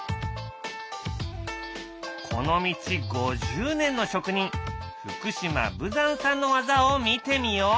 この道５０年の職人福島武山さんの技を見てみよう。